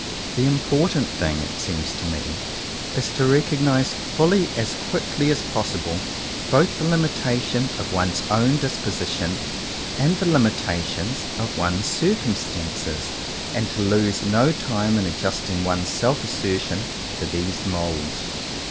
The important thing, it seems to me, is to recognize fully as quickly as possible both the limitations of one's own disposition and the limitations of one's circumstances, and to lose no time in adjusting one's self asser tion to these moulds.